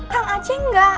kang aceh enggak